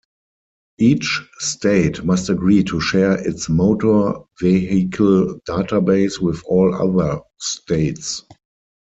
Each state must agree to share its motor vehicle database with all other states.